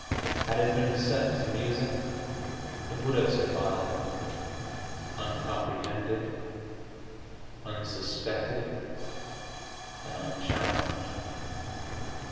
Had it been set to music it would have survived uncomprehended, unsuspected and unchallenged.